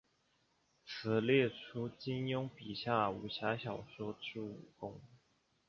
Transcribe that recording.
此列出金庸笔下武侠小说之武功。